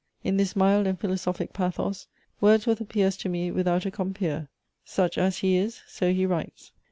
In this mild and philosophic pathos, Wordsworth appears to me without a compeer. Such as he is: so he writes.